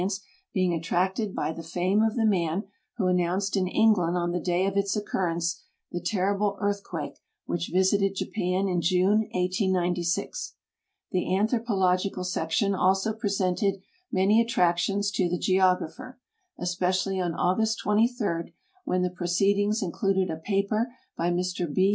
Mwe being attracted by tbe fame of the man wiio announced in Knj; land on the day of its occurrence the terrible eartlKiuake \vhi< h visited Jajian in June, 1896. The Anthropological Section also presented many attractions to the geographer, especially on August 23, when the proceed ings included a paper by Mr B.